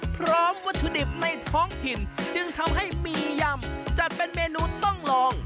วัตถุดิบในท้องถิ่นจึงทำให้มียำจัดเป็นเมนูต้องลอง